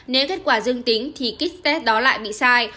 nếu kết quả dương tính thì kit test đó lại bị sai